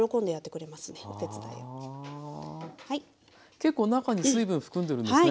結構中に水分含んでるんですね。